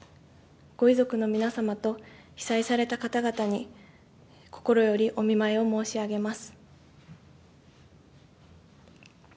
ご遺族の皆様と被災された方々に、心よりお見舞いを申し上げます。